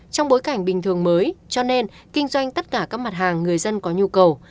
trong bối cảnh bình thường mới cho nên kinh doanh tất cả các mặt hàng người dân có nhu cầu